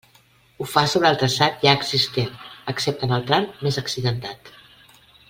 Ho fa sobre el traçat ja existent, excepte en el tram més accidentat.